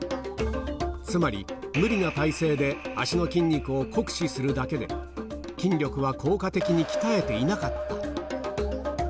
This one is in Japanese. つまり、無理な体勢で足の筋肉を酷使するだけで、筋力は効果的に鍛えていなかった。